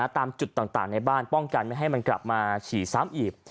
ตามจุดต่างในบ้านป้องกันไม่ให้มันกลับมาฉี่ซ้ำอีก